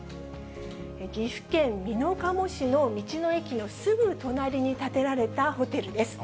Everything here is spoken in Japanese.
岐阜県美濃加茂市の道の駅のすぐ隣に建てられたホテルです。